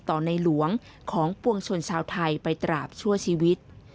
ในหลวงของปวงชนชาวไทยไปตราบชั่วชีวิต